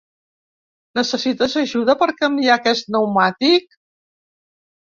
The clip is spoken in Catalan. Necessites ajuda per canviar aquest pneumàtic?